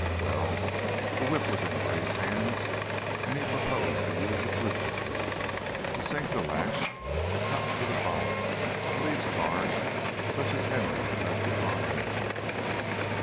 Well, the whip was in Gray's hands, and he proposed to use it ruthlessly to sink the lash, to cut to the bone, to leave scars such as Henry had left upon him.